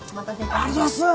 ありがとうございます。